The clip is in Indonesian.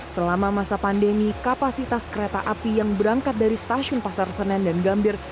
selama masa pandemi kapasitas kereta api yang berangkat dari stasiun pasar senen dan gambir